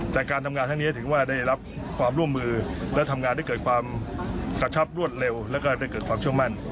แต่การทำงานทั้งนี้ถือว่าได้รับความร่วมมือและทำงานได้เกิดความกระชับรวดเร็วแล้วก็ได้เกิดความเชื่อมั่น